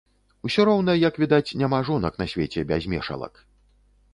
Усё роўна, як відаць, няма жонак на свеце без мешалак.